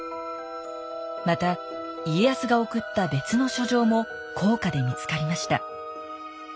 また家康が送った別の書状も甲賀で見つかりました。